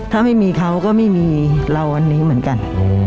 ถ้าไม่มีเขาก็ไม่มีเราวันนี้เหมือนกัน